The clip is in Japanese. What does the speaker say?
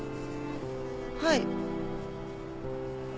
はい。